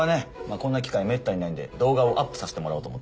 こんな機会めったにないんで動画をアップさせてもらおうと思って。